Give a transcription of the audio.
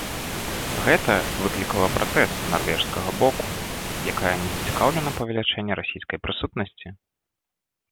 Гэта выклікала пратэст нарвежскага боку, якая не зацікаўлена ў павелічэнні расійскай прысутнасці.